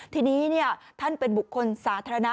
ทีนี้ท่านเป็นบุคคลสาธารณะ